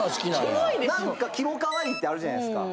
・キモイですよ・なんかキモかわいいってあるじゃないですか。